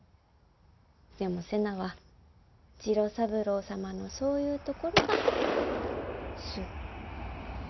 でも瀬名は次郎三郎様のそういうところが好。